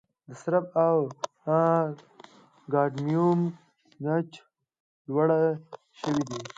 د سرب او کاډمیوم کچه لوړه شوې ده.